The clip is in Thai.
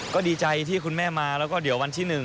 ก็ดีใจที่คุณแม่มาแล้วก็เดี๋ยววันที่๑